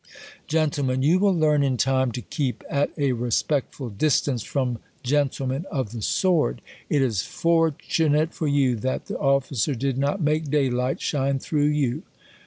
Gent, You will learn in time to keep at a respect till distance from gentlemen of the sword. It is fort chunate for you, that the officer did not make daylight shine through you.